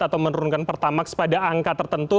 atau menurunkan pertamax pada angka tertentu